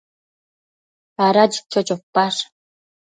Ada chicho chopash ?